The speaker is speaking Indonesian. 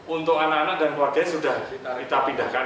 untuk anak anak dan keluarganya sudah kita pindahkan